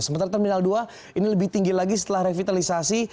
sementara terminal dua ini lebih tinggi lagi setelah revitalisasi